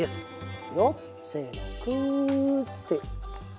いくよせのくって。